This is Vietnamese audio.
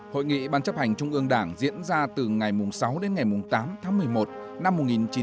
hội nghị ban chấp hành trung ương đảng diễn ra từ ngày sáu đến ngày tám tháng một mươi một năm một nghìn chín trăm bảy mươi